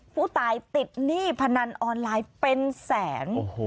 ผู้ตายติดหนี้พนันออนไลน์เป็นแสน